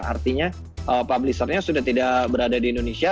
artinya publishernya sudah tidak berada di indonesia